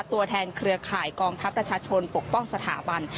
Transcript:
ตัวแทนเครือข่ายกองทัพประชาชนปกป้องสถาบัน